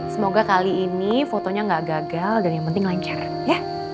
semoga kali ini fotonya gak gagal dan yang penting lancaran ya